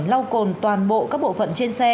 lau cồn toàn bộ các bộ phận trên xe